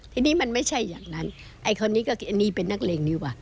ทีนี้มันไม่ใช่อย่างนั้นไอ้คนนี้ก็อันนี้เป็นนักเลงดีกว่า